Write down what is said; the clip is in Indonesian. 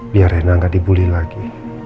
biar rena gak dibully lagi